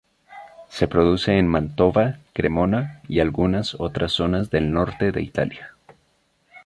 Se produce en Mantova, Cremona y algunas otras zonas del norte de Italia.